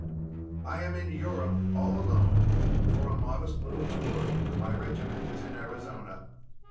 I am in Europe, all alone, for a modest little tour; my regiment is in Arizona."